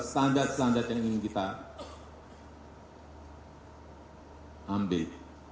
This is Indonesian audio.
ini adalah standar yang ingin kita ambil